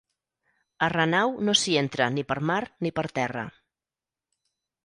A Renau no s'hi entra ni per mar ni per terra.